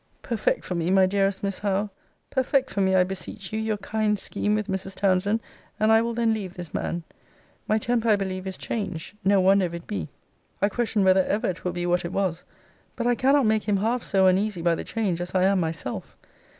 Perfect for me, my dearest Miss Howe, perfect for me, I beseech you, your kind scheme with Mrs. Townsend; and I will then leave this man. My temper, I believe, is changed. No wonder if it be. I question whether ever it will be what it was. But I cannot make him half so uneasy by the change, as I am myself.